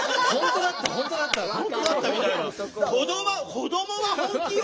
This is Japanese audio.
「子どもは本気よ！」